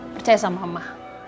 percaya sama mama